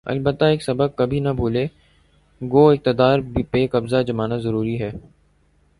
البتہ ایک سبق کبھی نہ بھولے‘ گو اقتدار پہ قبضہ جمانا ضروری ہے۔